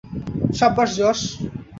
সাব্বাশ, Josh.